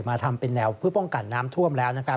มาทำเป็นแนวเพื่อป้องกันน้ำท่วม